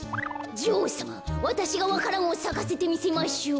じょおうさまわたしがわか蘭をさかせてみせましょう。